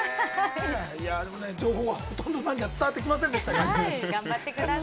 情報がほとんど伝わってきませんでした。